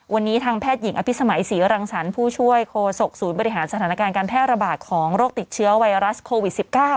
วันนี้ทางแพทย์หญิงอภิษมัยศรีรังสรรค์ผู้ช่วยโคศกศูนย์บริหารสถานการณ์การแพร่ระบาดของโรคติดเชื้อไวรัสโควิด๑๙